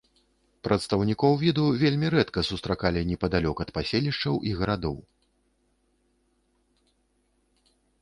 Прадстаўнікоў віду вельмі рэдка сустракалі непадалёк ад паселішчаў і гарадоў.